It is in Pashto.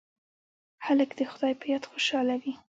هلک د خدای په یاد خوشحاله وي.